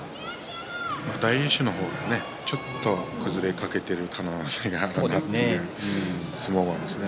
大栄翔の方がちょっと崩れかけている可能性がある相撲ですね。